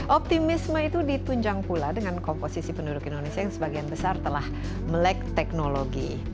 optimisme itu ditunjang pula dengan komposisi penduduk indonesia yang sebagian besar telah melek teknologi